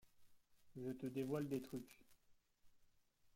je te dévoile des trucs.